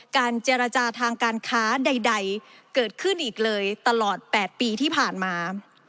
การเจรจาทางการค้าใดเกิดขึ้นอีกเลยตลอด๘ปีที่ผ่านมา